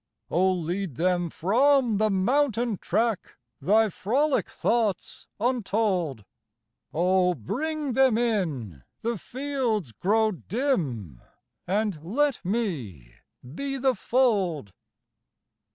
Oh lead them from the mountain track Thy frolic thoughts untold. Oh bring them in the fields grow dim And let me be the fold.